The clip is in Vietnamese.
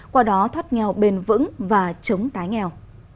qua đó thoát nghèo bền vững và chống tái nghèo